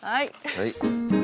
はい。